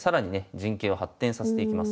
陣形を発展させていきます。